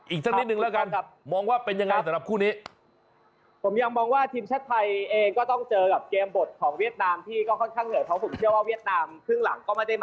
อีกสักนิดนึงแล้วกันครับมองว่าเป็นยังไงสำหรับคู่นี้